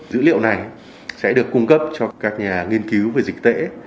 dữ liệu này sẽ được cung cấp cho các nhà nghiên cứu về dịch tễ